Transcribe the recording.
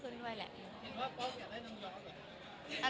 อเรนนี่ปุ๊ปอเรนนี่ปุ๊ป